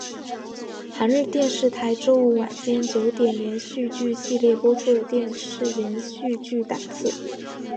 朝日电视台周五晚间九点连续剧系列播出的电视连续剧档次。